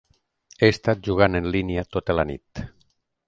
He estat jugant en línia tota la nit.